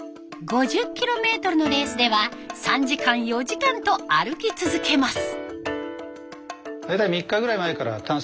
５０キロメートルのレースでは３時間４時間と歩き続けます。